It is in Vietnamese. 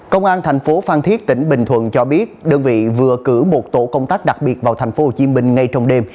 công an thành phố phan thiết tỉnh bình thuận cho biết đơn vị vừa cử một tổ công tác đặc biệt vào tp hcm ngay trong đêm